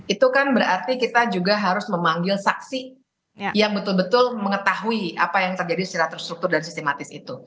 itu kan berarti kita juga harus memanggil saksi yang betul betul mengetahui apa yang terjadi secara terstruktur dan sistematis itu